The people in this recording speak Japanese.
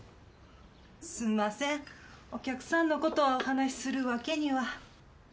すんませんお客さんの事をお話するわけには。